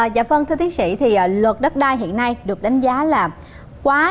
dạ vâng thưa tiến sĩ thì luật đất đai hiện nay được đánh giá là quá